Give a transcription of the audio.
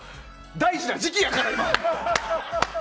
大事な時期やから！